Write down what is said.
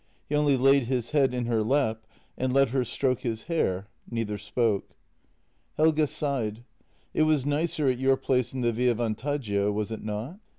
He only laid his head in her lap and let her stroke his hair; neither spoke. Helge sighed: " It was nicer at your place in the Via Van taggio, was it not?